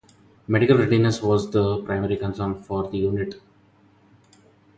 Medical readiness was the primary concern for the unit.